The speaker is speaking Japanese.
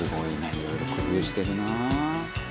いろいろ工夫してるな」